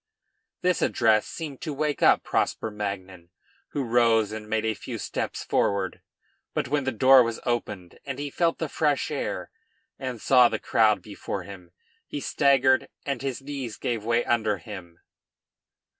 This address seemed to wake up Prosper Magnan, who rose and made a few steps forward; but when the door was opened and he felt the fresh air and saw the crowd before him, he staggered and his knees gave way under him.